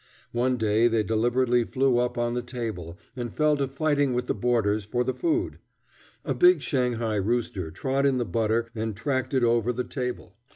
One day they deliberately flew up on the table, and fell to fighting with the boarders for the food. A big Shanghai rooster trod in the butter and tracked it over the table.